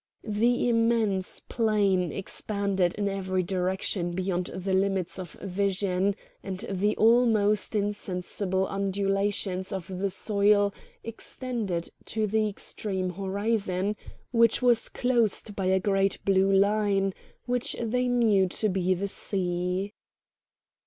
The immense plain expanded in every direction beyond the limits of vision; and the almost insensible undulations of the soil extended to the extreme horizon, which was closed by a great blue line which they knew to be the sea.